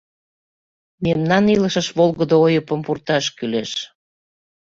Мемнан илышыш волгыдо ойыпым пурташ кӱлеш.